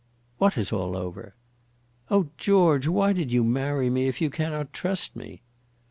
"What is all over?" "Oh, George, why did you marry me, if you cannot trust me?"